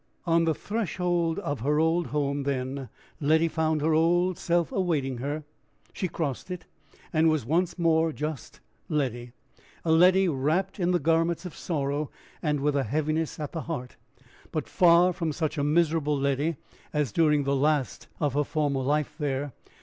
On the threshold of her old home, then, Letty found her old self awaiting her; she crossed it, and was once more just Letty, a Letty wrapped in the garments of sorrow, and with a heaviness at the heart, but far from such a miserable Letty as during the last of her former life there.